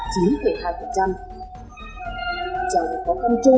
chế hiệu bao khủng khắc phương được cao thường